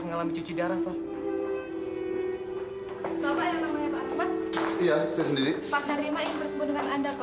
suami di public park